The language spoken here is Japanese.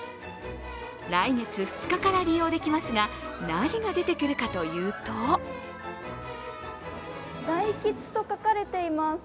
来月２日から利用できますが何が出てくるかというと大吉と書かれています。